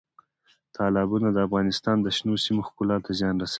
تالابونه د افغانستان د شنو سیمو ښکلا ته زیان رسوي.